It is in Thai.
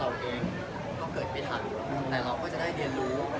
เขาเกิดไปทันแต่เราก็จะได้เรียนรู้